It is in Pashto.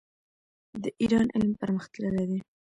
د ایران علم پرمختللی دی.